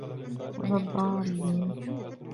وَلَا الضَّالِّينَ